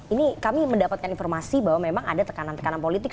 ini kami mendapatkan informasi bahwa memang ada tekanan tekanan politik